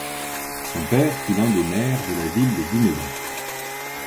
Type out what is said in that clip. Son père fut l'un des maires de la ville de Dunedin.